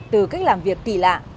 từ cách làm việc tỷ lạ